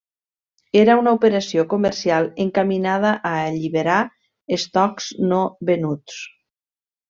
Era una operació comercial encaminada a alliberar estocs no venuts.